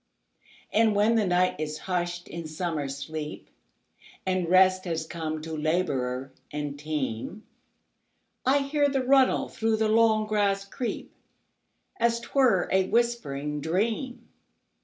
And when the night is hush'd in summer sleep, And rest has come to laborer and team,I hear the runnel through the long grass creep, As 't were a whispering dream.